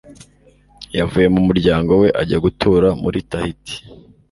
Yavuye mu muryango we ajya gutura muri Tahiti.